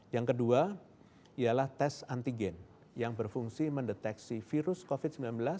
yang kedua ialah tes antigen yang berfungsi mendeteksi virus covid sembilan belas